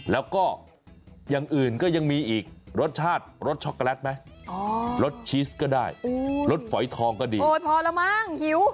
แล้วก็อย่างอื่นก็ยังมีอีกรสชาติรสช็อกโกแลตไหมรสชีสก็ได้รสฝอยทองก็ดีโอ้ยพอแล้วมั้งหิว